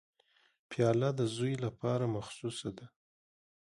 پیاله د زوی لپاره مخصوصه ده.